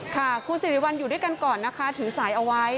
ค่ะคุณสิริวัลอยู่ด้วยกันก่อนนะคะถือสายเอาไว้